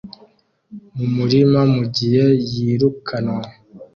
mumurima mugihe yirukanwe